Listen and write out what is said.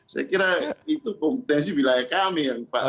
saya kira itu kompetensi wilayah kami